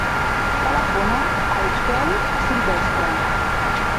Telefona al Quel Silvestre.